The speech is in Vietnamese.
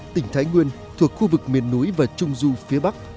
tỉnh thái nguyên thuộc khu vực miền núi và trung du phía bắc